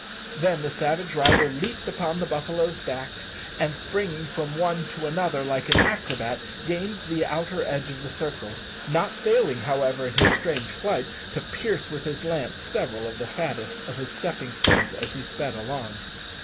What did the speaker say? Then the savage rider leaped upon the buffaloes' backs, and springing from one to another, like an acrobat, gained the outer edge of the circle; not failing, however, in his strange flight, to pierce with his lance several of the fattest of his stepping stones as he sped along.